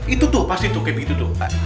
itu tuh pasti tuh kayak begitu tuh